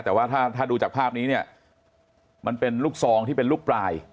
แต่ว่าถ้าดูจากภาพนี้เนี่ยมันเป็นลูกซองที่เป็นลูกปลาย